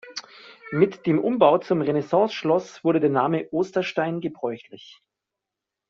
Mit dem Umbau zum Renaissanceschloss wurde der Name "Osterstein" gebräuchlich.